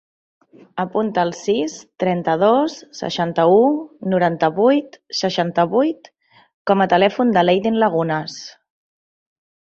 Apunta el sis, trenta-dos, seixanta-u, noranta-vuit, seixanta-vuit com a telèfon de l'Eiden Lagunas.